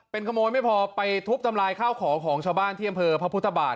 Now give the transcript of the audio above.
เป็นขโมยไม่พอไปทุบทำลายข้าวของชาวบ้านที่กรรมบาท